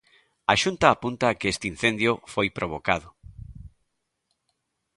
A Xunta apunta a que este incendio foi provocado.